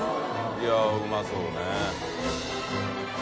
いうまそうね。